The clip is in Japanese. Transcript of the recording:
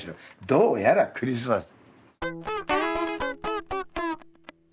「どうやらクリスマス」。